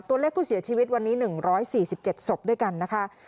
ตัวเลขผู้เสียชีวิตวันนี้หนึ่งร้อยสี่สิบเจ็ดศพด้วยกันนะคะ